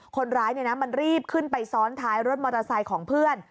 คนร้ายมันรีบขึ้นไปซ้อนท้ายรถมอเตอร์ไซค์ของเพื่อน